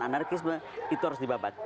anarkis itu harus dibabat